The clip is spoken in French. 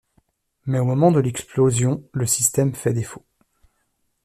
Mais au moment de l'explosion, le système fait défaut.